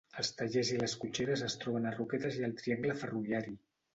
Els tallers i les cotxeres es troben a Roquetes i al Triangle Ferroviari.